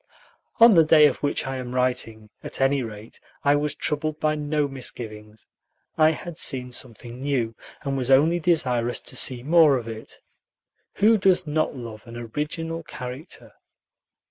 On the day of which I am writing, at any rate, I was troubled by no misgivings. I had seen something new, and was only desirous to see more of it. Who does not love an original character?